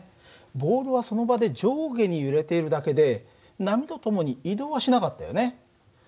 ボールはその場で上下に揺れているだけで波とともに移動はしなかったよね。